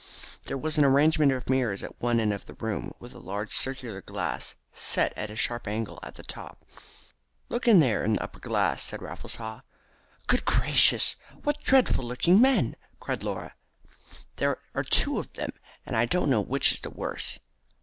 There was an arrangement of mirrors at one end of the room, with a large circular glass set at a sharp angle at the top. "Look in there in the upper glass," said Raffles Haw. "Good gracious! what dreadful looking men!" cried Laura. "There are two of them, and I don't know which is the worse."